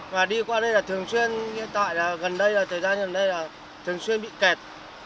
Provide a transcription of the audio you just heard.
và đi qua đây là thường xuyên gần đây là thời gian thường xuyên bị kẹt